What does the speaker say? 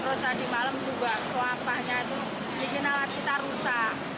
terus tadi malam juga sampahnya itu bikin alat kita rusak